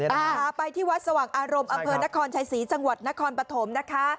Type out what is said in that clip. พาไปที่วัดสว่างอารมณ์อำเภอนครชัยศรีจังหวัดนครปฐมนะคะ